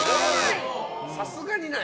さすがにない？